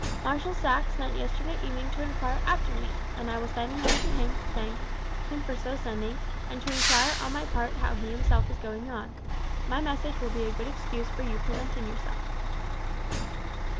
Marshal Saxe sent yesterday evening to inquire after me, and I will send you to him to thank him for so sending, and to inquire on my part how he himself is going on. My message will be a good excuse for your presenting yourself."